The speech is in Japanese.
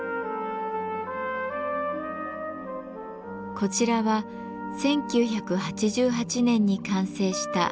こちらは１９８８年に完成した商業施設。